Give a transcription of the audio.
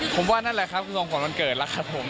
ผมว่านั่นแหละครับส่งผลวันเกิดแล้วครับผม